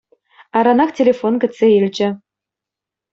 Аранах телефон кӗтсе илчӗ.